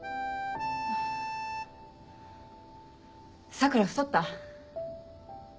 桜太った？